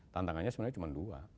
tantangannya sebenarnya cuma dua